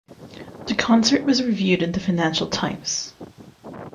The concert was reviewed in the Financial Times.